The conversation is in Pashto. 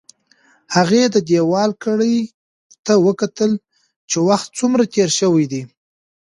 هغې د دېوال ګړۍ ته وکتل چې وخت څومره تېر شوی دی.